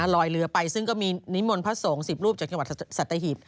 ลอยเรือไปซึ่งก็มีนิมนต์พระสงฆ์๑๐รูปจากจังหวัดสัตหีบ